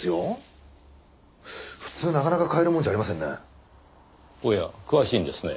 普通なかなか買えるもんじゃありませんね。おや詳しいんですね。